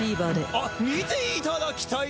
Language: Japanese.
あっ見ていただきたい！